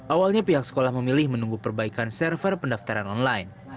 awalnya pihak sekolah memilih menunggu perbaikan server pendaftaran online